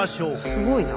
すごいな。